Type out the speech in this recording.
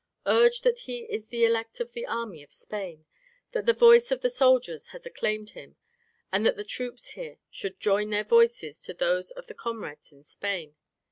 "Urge that he is the elect of the army of Spain, that the voice of the soldiers has acclaimed him, and that the troops here should join their voices to those of their comrades in Spain.